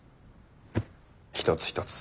一つ一つ